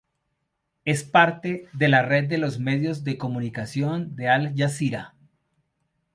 Es parte de la red de medios de comunicación de Al Jazeera.